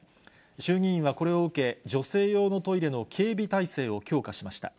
衆議院はこれを受け、女性用のトイレの警備態勢を強化しました。